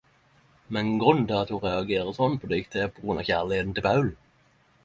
Men grunnen til ho reagerer sånn på diktet er pågrunn av kjærligheten til Paul.